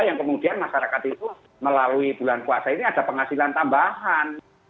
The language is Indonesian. yang kemudian masyarakat itu melalui bulan puasa ini ada penghasilan tambahan